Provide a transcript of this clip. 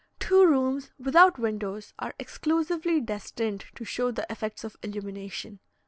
Two rooms without windows are exclusively destined to show the effects of illumination.